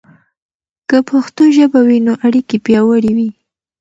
که پښتو ژبه وي، نو اړیکې پياوړي وي.